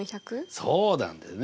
そうなんだよね。